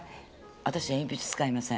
あたし鉛筆使いません。